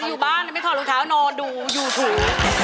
อยู่บ้านไม่ถอดรองเท้านอนดูยูทู